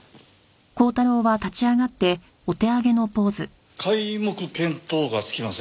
皆目見当がつきません。